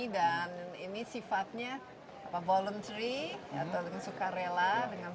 dan ini sifatnya voluntary atau suka rela dengan senang hati dan bagaimana